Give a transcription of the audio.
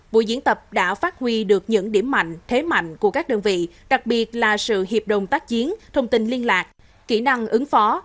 buổi diễn tập đã phát huy được những điểm mạnh thế mạnh của các đơn vị đặc biệt là sự hiệp đồng tác chiến thông tin liên lạc kỹ năng ứng phó